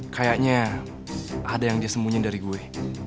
kayaknya ada yang dia sembunyiin dari gue